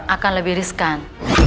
akan lebih riskan